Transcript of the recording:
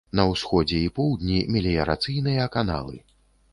На ўсходзе і поўдні меліярацыйныя каналы.